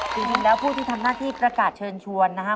จริงแล้วผู้ที่ทำหน้าที่ประกาศเชิญชวนนะครับ